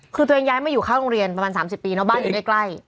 คือตัวเองอย่างไม่อยู่ข้างโรงเรียนประมาณ๓๐ปี